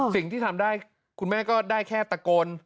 สิ่งที่ทำได้คุณแม่ก็ได้แค่ตะโกน